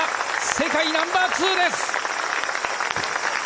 世界ナンバー２です！